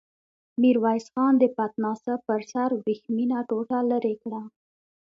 ميرويس خان د پتناسه پر سر ورېښمينه ټوټه ليرې کړه.